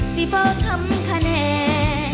สิเพราะทำขนาด